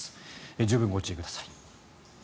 十分ご注意ください。